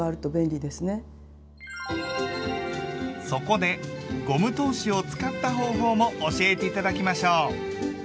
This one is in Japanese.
そこでゴム通しを使った方法も教えて頂きましょう！